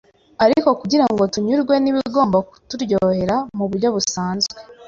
Ariko kugira ngo tunyurwe n’ibigomba kuturyohera mu buryo busanzwe,